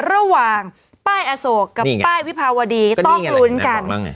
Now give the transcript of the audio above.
ระหว่างป้ายอโศกกับป้ายวิภาวดีต้องลุ้นกัน